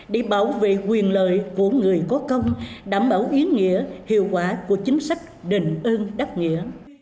để bảo vệ quyền lợi của người có công đảm bảo ý nghĩa hiệu quả của chính sách đền ơn đáp nghĩa